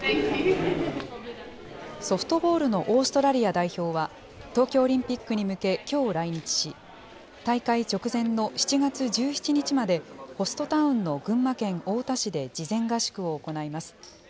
ソフトボールのオーストラリア代表は、東京オリンピックに向け、きょう来日し、大会直前の７月１７日までホストタウンの群馬県太田市で事前合宿を行います。